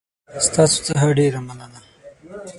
ستاسو څخه ډېره مننه